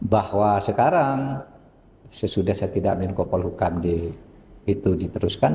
bahwa sekarang sesudah saya tidak menko polhukam itu diteruskan